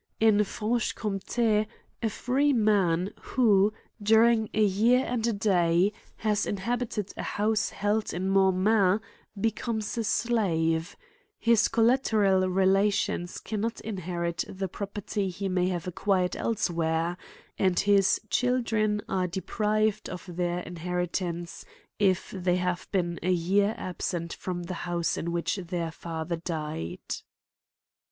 In Franche^ CRIMES AND PUNISHAIENl's. '239 Compte^ a free man, who, during a year and a day, has inhabited a house held in Mortmain, be comes a slave : his collateral relations cannot in herit the property he may have acquired elsewhere^ and his children are deprived of their inheritance, if they have been a year absent from the house in which their father died.